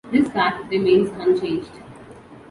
This fact remains unchanged.